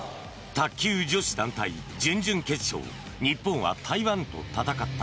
卓球女子団体、準々決勝日本は台湾と戦った。